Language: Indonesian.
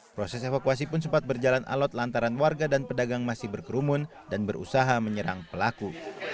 proses evakuasi pun sempat berjalan alot lantaran warga dan pedagang masih berkerumun dan berusaha menyerang pelaku